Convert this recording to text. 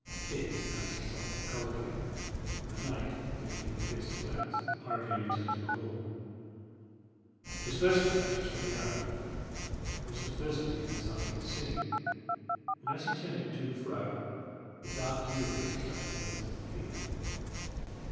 Dick answered somewhat coldly, and the knight, giving him a piercing glance, hurriedly returned to the hall. His first glance was for the arrow. It was the first of these missiles he had seen, and as he turned it to and fro, the dark hue of it touched him with some fear.